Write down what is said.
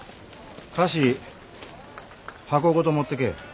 菓子箱ごと持ってけえ。